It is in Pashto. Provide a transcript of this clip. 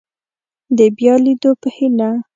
د بیا لیدو په هیله